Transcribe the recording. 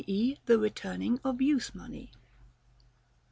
e. the returning of use money.